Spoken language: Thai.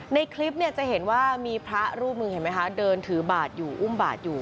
ในคลิปเนี่ยจะเห็นว่ามีพระรูปหนึ่งเห็นไหมคะเดินถือบาทอยู่อุ้มบาทอยู่